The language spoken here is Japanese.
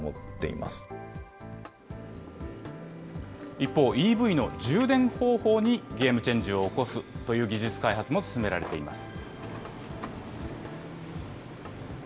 一方、ＥＶの充電方法にゲームチェンジを起こすという技術開発も進められています。